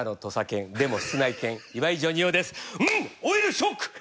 うんオイルショック！